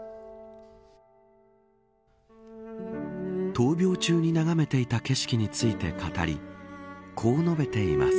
闘病中に眺めていた景色について語りこう述べています。